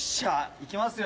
行きますよ？